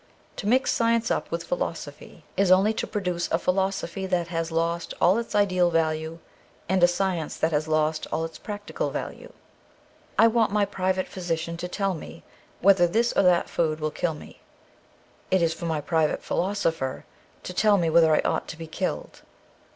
To mix science up with philosophy is only to produce a philosophy that has lost all its ideal value and a science that has lost all its practical value. I want my private physician to tell me whether this or that food will kill me. It is for my private philosopher to tell me whether I ought to be killed.